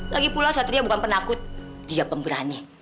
lagipula satria bukan penakut dia pemberani